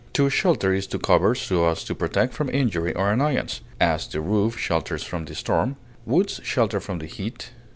To shelter is to cover so as to protect from injury or annoyance; as, the roof shelters from the storm; woods shelter from the heat.